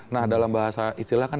nah dalam bahasa istilah kan